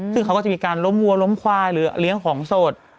ซึ่งเขาก็จะมีการล้มวัวล้มควายหรือเลี้ยงของสด